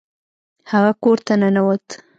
هغه کور ته ننوت.